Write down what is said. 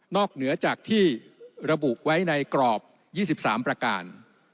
เหนือจากที่ระบุไว้ในกรอบ๒๓ประการ